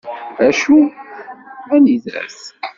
Acu? Anida-t?